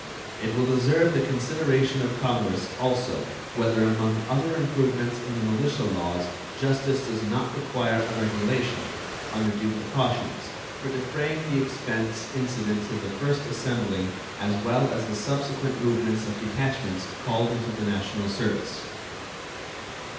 It will deserve the consideration of Congress also whether among other improvements in the militia laws justice does not require a regulation, under due precautions, for defraying the expense incident to the first assembling as well as the subsequent movements of detachments called into the national service.